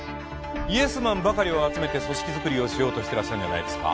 イエスマンばかりを集めて組織作りをしようとしてらっしゃるんじゃないですか？